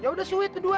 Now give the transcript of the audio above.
ya udah suit kedua